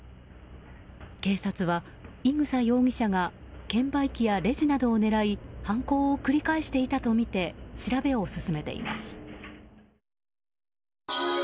警察は、伊草容疑者が券売機やレジなどを狙い犯行を繰り返していたとみて調べを進めています。